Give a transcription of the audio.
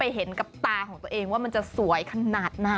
เห็นกับตาของตัวเองว่ามันจะสวยขนาดไหน